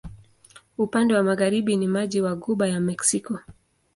Upande wa magharibi ni maji wa Ghuba ya Meksiko.